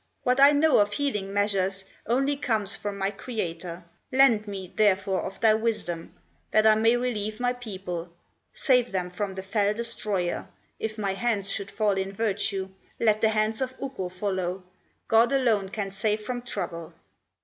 What I know of healing measures, Only comes from my Creator; Lend me, therefore, of thy wisdom, That I may relieve my people, Save them from the fell destroyer. If my hands should fall in virtue. Let the hands of Ukko follow, God alone can save from trouble.